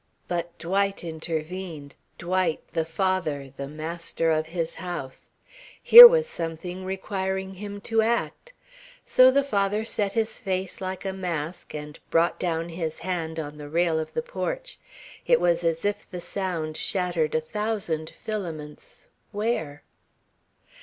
But Dwight intervened, Dwight, the father, the master of his house. Here was something requiring him to act. So the father set his face like a mask and brought down his hand on the rail of the porch. It was as if the sound shattered a thousand filaments where?